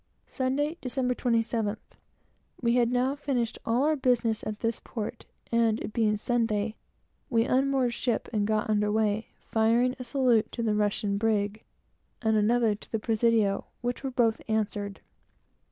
Sunday, December 27th. We had now finished all our business at this port, and it being Sunday, we unmoored ship and got under weigh, firing a salute to the Russian brig, and another to the Presidio, which were both answered.